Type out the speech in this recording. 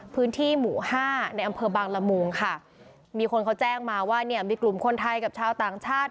พื้นที่หมู่ห้าในอำเภอบางละมุงค่ะมีคนเขาแจ้งมาว่าเนี่ยมีกลุ่มคนไทยกับชาวต่างชาติ